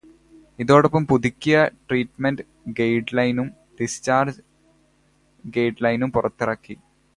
ഇതോടൊപ്പം പുതുക്കിയ ട്രീറ്റ്മെന്റ് ഗൈഡ്ലൈനും, ഡിസ്ചാര്ജ് ഗൈഡ്ലൈനും പുറത്തിറക്കി.